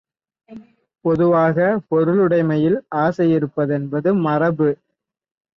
பொதுவாக, பொருளுடைமையில் ஆசையிருப்பதென்பது மரபு.